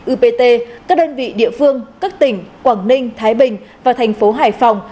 upt các đơn vị địa phương các tỉnh quảng ninh thái bình và thành phố hải phòng